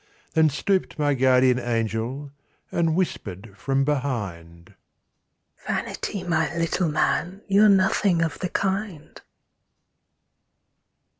Then stooped my guardian angel And whispered from behind, "Vanity, my little man, You're nothing of the kind."